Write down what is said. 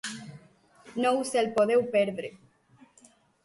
No us el podeu perdre.